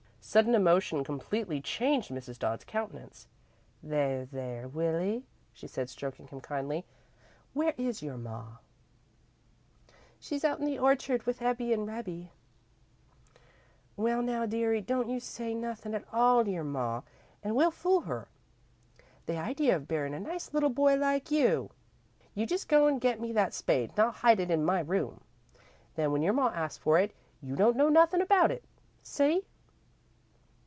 Sudden emotion completely changed Mrs. Dodd's countenance. "There, there, Willie," she said, stroking him kindly. "Where is your ma?" "She's out in the orchard with Ebbie and Rebbie." "Well now, deary, don't you say nothin' at all to your ma, an' we'll fool her. The idea of buryin' a nice little boy like you! You just go an' get me that spade an' I'll hide it in my room. Then, when your ma asks for it, you don't know nothin' about it. See?"